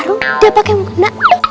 rambutnya jangan keliatan